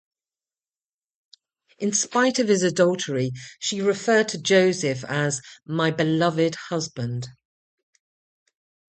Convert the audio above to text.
In spite of his adultery, she referred to Joseph as "my beloved husband".